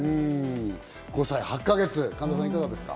５歳８か月、神田さん、いかがですか？